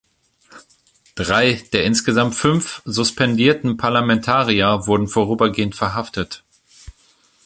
Drei der insgesamt fünf suspendierten Parlamentarier wurden vorübergehend verhaftet.